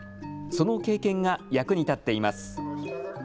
その経験が役に立っています。